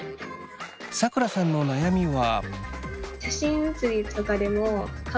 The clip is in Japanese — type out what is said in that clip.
さくらさんの悩みは。